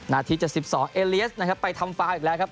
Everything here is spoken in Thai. นาที๗๒เอเลียสนะครับไปทำฟาวอีกแล้วครับ